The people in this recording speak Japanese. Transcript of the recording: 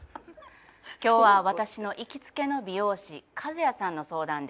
今日は私の行きつけの美容師カズヤさんの相談です。